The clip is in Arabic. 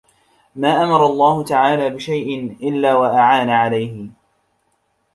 مَا أَمَرَ اللَّهُ تَعَالَى بِشَيْءٍ إلَّا وَأَعَانَ عَلَيْهِ